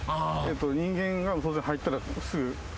人間が当然入ったらすぐかちこち。